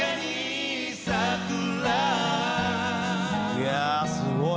いやあすごい。